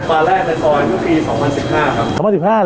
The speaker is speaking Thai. บาร์แรกในตอนฟิภาคฯ๒๐๑๕ครับ